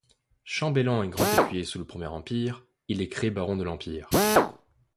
Chambellan et grand écuyer sous le Premier Empire, il est créé baron de l'Empire.